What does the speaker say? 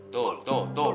tuh tuh tuh